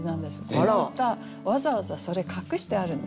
この歌わざわざそれ隠してあるんです。